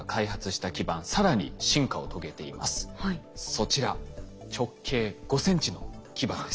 そちら直径５ｃｍの基板です。